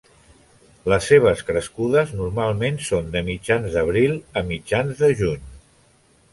Les seves crescudes normalment són de mitjans d'abril a mitjans de juny.